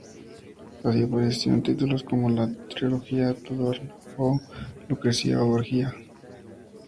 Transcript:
Así, aparecieron títulos como la trilogía Tudor o "Lucrezia Borgia".